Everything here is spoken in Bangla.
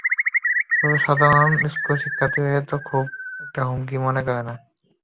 তবে সাধারণ স্কুল শিক্ষার্থীরা এগুলোকে খুব একটা হুমকি মনে করে না।